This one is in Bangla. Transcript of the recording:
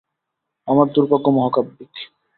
আমার দুর্ভাগ্য মহাকাব্যিক।